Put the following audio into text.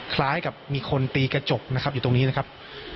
คล้ายกับมีคนตีกระจกนะครับอยู่ตรงนี้นะครับ